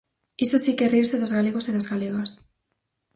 Iso si que é rirse dos galegos e das galegas.